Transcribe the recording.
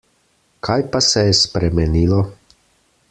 Kaj pa se je spremenilo?